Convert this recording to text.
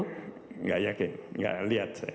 tidak yakin tidak lihat